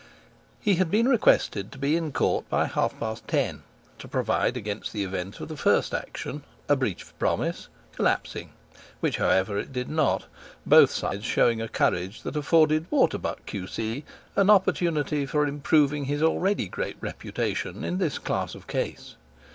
He had been requested to be in court by half past ten, to provide against the event of the first action (a breach of promise) collapsing, which however it did not, both sides showing a courage that afforded Waterbuck, Q.C., an opportunity for improving his already great reputation in this class of case.